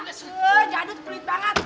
eh jadut pelit banget